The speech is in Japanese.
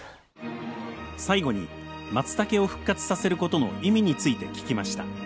最後にマツタケを復活させることの意味について聞きました